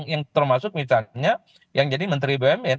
yang termasuk misalnya yang jadi menteri bumn